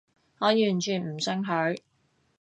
我完全唔信佢